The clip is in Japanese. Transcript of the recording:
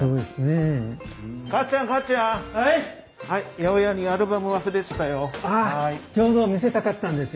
八百屋にアルバム忘れてたよ。